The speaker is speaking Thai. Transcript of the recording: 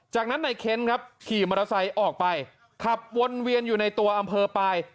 จากนั้นในเค้นครับขี่มอเตอร์ไซค์ออกไปขับวนเวียนอยู่ในตัวอำเภอปลาย